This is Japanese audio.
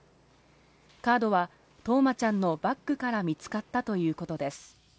カードは冬生ちゃんのバックから見つかったということです。